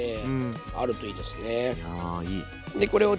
あるといいですね。